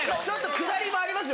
・下りもありますよ